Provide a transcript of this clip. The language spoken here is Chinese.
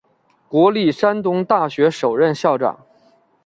国立山东大学首任校长。